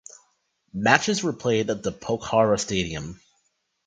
Matches were played at the Pokhara Stadium.